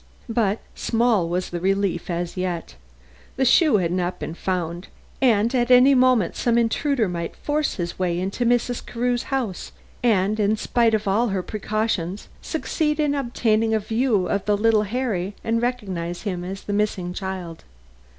But small was the relief as yet. The shoe had not been found, and at any moment some intruder might force his way into Mrs. Carew's house and, in spite of all her precautions, succeed in obtaining a view of the little Harry and recognize in him the missing child.